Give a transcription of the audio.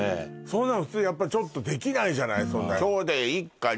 そんなの普通やっぱちょっとできないじゃないなんてね